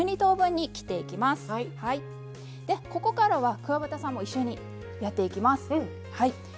ここからはくわばたさんも一緒にやっていきます。